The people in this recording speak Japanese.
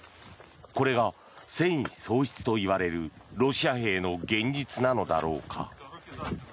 これが戦意喪失といわれるロシア兵の現実なのだろうか。